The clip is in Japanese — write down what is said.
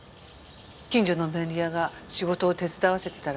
近所の便利屋が仕事を手伝わせてたらしいの。